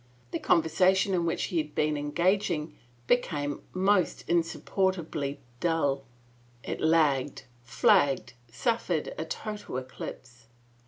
The conversation in which he had been engaging be came most insupportably dull. It lagged, flagged, — suffered a total eclipse.